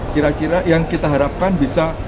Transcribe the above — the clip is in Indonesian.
kira kira yang kita harapkan bisa